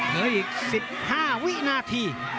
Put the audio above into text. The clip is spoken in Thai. เหลืออีก๑๕วินาที